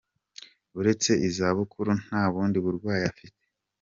Uretse iza bukuru, nta bundi burwayi afite.